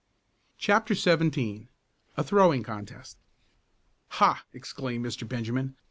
CHAPTER XVII A THROWING CONTEST "Ha!" exclaimed Mr. Benjamin.